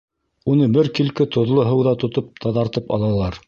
Уны бер килке тоҙло һыуҙа тотоп таҙартып алалар.